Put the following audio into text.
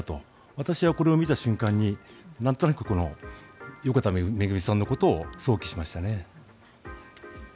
私はこれを見た瞬間になんとなく横田めぐみさんのことを想起しましたね。